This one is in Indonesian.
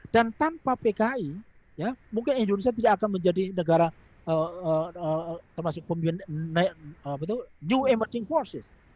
dan tanpa pki mungkin indonesia tidak akan menjadi negara termasuk new emerging forces